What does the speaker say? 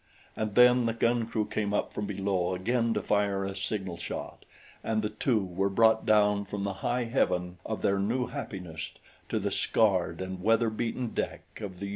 And then the gun crew came up from below again to fire a signal shot, and the two were brought down from the high heaven of their new happiness to the scarred and weather beaten deck of the U 33.